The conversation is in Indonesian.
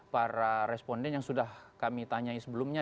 para responden yang sudah kami tanyai sebelumnya